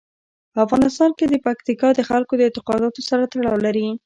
په افغانستان کې پکتیکا د خلکو د اعتقاداتو سره تړاو لري.